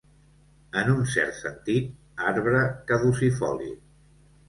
En un cert sentit, arbre caducifoli.